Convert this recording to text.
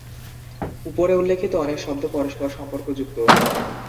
উপরে উল্লেখিত অনেক শব্দ পরস্পর সম্পর্কযুক্ত।